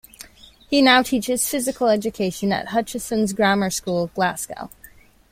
He now teaches physical education at Hutchesons' Grammar School, Glasgow.